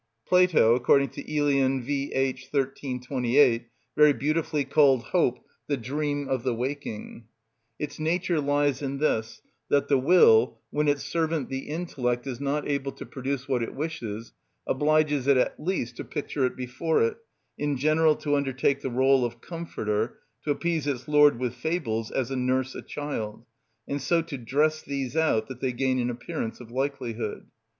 Plato (according to Ælian, V.H., 13, 28) very beautifully called hope the dream of the waking. Its nature lies in this, that the will, when its servant the intellect is not able to produce what it wishes, obliges it at least to picture it before it, in general to undertake the roll of comforter, to appease its lord with fables, as a nurse a child, and so to dress these out that they gain an appearance of likelihood.